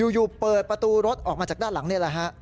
อยู่เปิดประตูรถออกมาจากด้านหลังนี่แหละฮะ